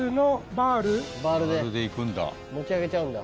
バールでいくんだ？